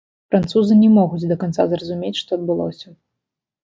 Французы не могуць да канца зразумець, што адбылося.